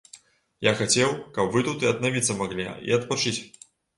Я хацеў, каб вы тут і аднавіцца маглі, і адпачыць.